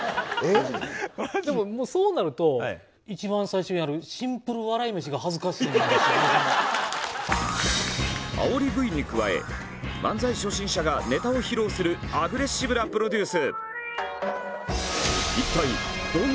でもそうなるとあおりＶに加え漫才初心者がネタを披露するアグレッシブなプロデュース。